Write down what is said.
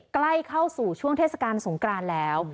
ใกล้เข้าสู่ช่วงเทศกาลสงกรานแล้ว